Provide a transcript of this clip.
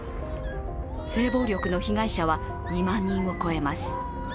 性暴力の被害者は２万人を超えます